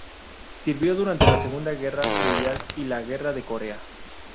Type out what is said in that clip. Sirvió durante la Segunda Guerra Mundial y la Guerra de Corea.